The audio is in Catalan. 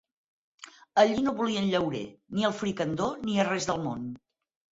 Allí no volien llaurer, ni al fricandó ni a res del món